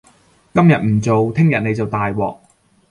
今日唔做，聽日你就大鑊